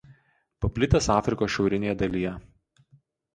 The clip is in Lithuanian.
Paplitęs Afrikos šiaurinėje dalyje.